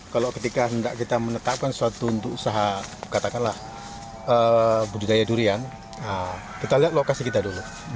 ketika kita menetapkan sesuatu untuk usaha budidaya durian kita lihat lokasi kita dulu